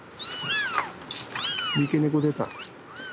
三毛猫出た。